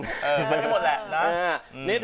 ไม่ได้หมดแหละนะ